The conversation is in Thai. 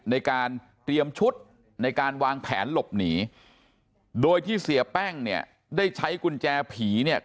ในการเตรียมชุดในการวางแผนหลบหนีโดยที่เสียแป้งเนี่ยได้ใช้กุญแจผีเนี่ย